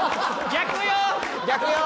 逆よ！